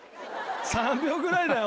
３秒ぐらいだよ